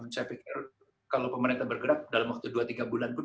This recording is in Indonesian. saya pikir kalau pemerintah bergerak dalam waktu dua tiga bulan pun